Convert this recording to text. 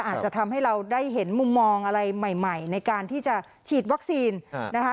อาจจะทำให้เราได้เห็นมุมมองอะไรใหม่ในการที่จะฉีดวัคซีนนะคะ